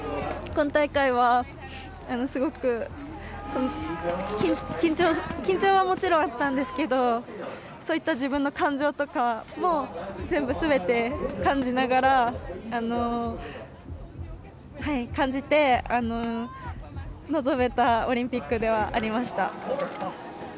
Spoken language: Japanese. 今大会は、すごく緊張はもちろんあったんですけどそういった自分の感情とかも全部、すべて感じて臨めたオリンピックではありました。